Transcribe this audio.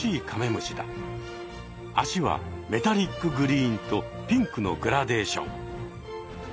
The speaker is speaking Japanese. あしはメタリックグリーンとピンクのグラデーション。